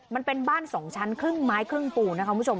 มันเป็นบ้าน๒ชั้นครึ่งไม้ครึ่งปูนะคะคุณผู้ชม